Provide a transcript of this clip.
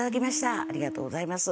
ありがとうございます。